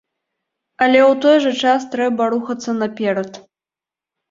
Але ў той жа час трэба рухацца наперад.